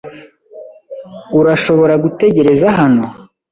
Urashobora gutegereza hano?